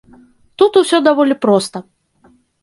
Тут усё даволі проста.